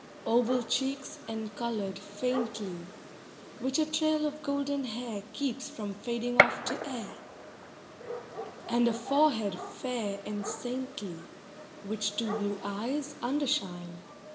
Oval cheeks encolored faintly, Which a trail of golden hair Keeps from fading off to air; And a forehead fair and saintly, Which two blue eyes undershine.